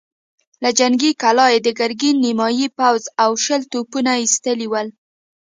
له جنګي کلا يې د ګرګين نيمايي پوځ او شل توپونه ايستلي ول.